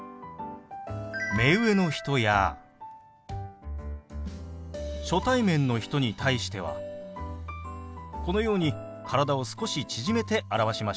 目上の人や初対面の人に対してはこのように体を少し縮めて表しましょう。